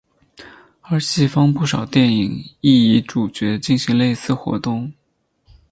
而西方不少电影亦以主角进行类似活动。